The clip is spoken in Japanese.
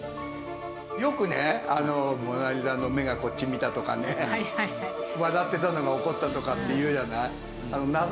よくね『モナ・リザ』の目がこっち見たとかね笑ってたのが怒ったとかって言うじゃない。